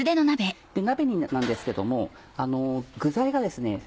鍋なんですけども具材がですね